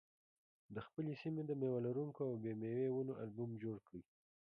د خپلې سیمې د مېوه لرونکو او بې مېوې ونو البوم جوړ کړئ.